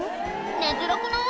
寝づらくない？